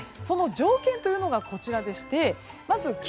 その条件というのがこちらでして。